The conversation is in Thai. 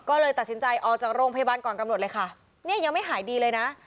ก็เลยตัดสินใจออกจากโรงพยาบาลก่อนกำหนดเลยค่ะเนี่ยยังไม่หายดีเลยนะ